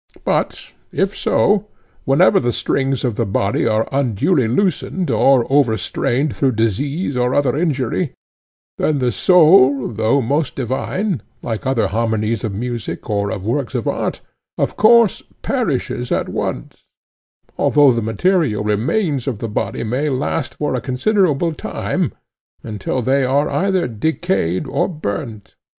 But if so, whenever the strings of the body are unduly loosened or overstrained through disease or other injury, then the soul, though most divine, like other harmonies of music or of works of art, of course perishes at once, although the material remains of the body may last for a considerable time, until they are either decayed or burnt.